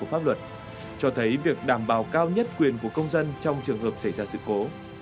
pháp luật cho thấy việc đảm bảo cao nhất quyền của công dân trong trường hợp xảy ra sự cố